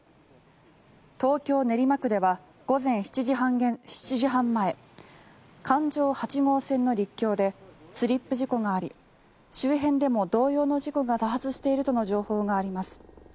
東京・練馬区では午前７時半前環状８号線の陸橋でスリップ事故があり周辺でも同様の事故が多発しているとの情報があります。